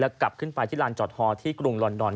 กลับขึ้นไปที่ลานจอดฮอที่กรุงลอนดอน